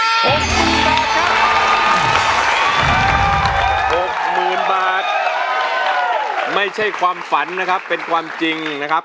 หกหมื่นบาทไม่ใช่ความฝันนะครับเป็นความจริงนะครับ